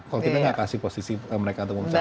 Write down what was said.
kalau kita nggak kasih posisi mereka untuk memecah